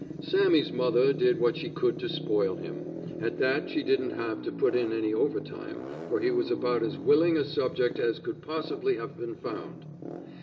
Sammy's mother did what she could to spoil him. At that she didn't have to put in any overtime, for he was about as willing a subject, as could possibly have been found.